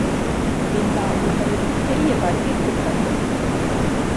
எல்லா ஊர்களிலும் பெரிய வரவேற்பு நடந்தது.